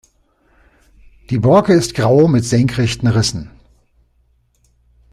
Die Borke ist grau mit senkrechten Rissen.